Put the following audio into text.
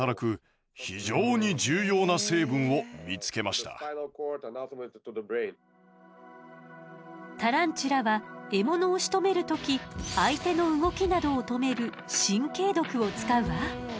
私たちはするとその中にタランチュラは獲物をしとめる時相手の動きなどを止める神経毒を使うわ。